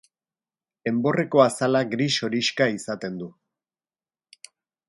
Enborreko azala gris-horixka izaten du.